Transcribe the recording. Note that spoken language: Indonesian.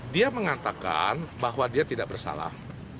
dia mengatakan bahwa dia tidak bersalah